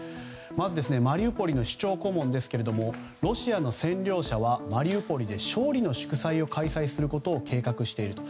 まず、マリウポリの市長顧問ですがロシアの占領者はマリウポリで勝利の祝祭を開催することを計画していると。